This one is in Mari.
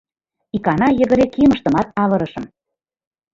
Икана йыгыре кийымыштымат авырышым.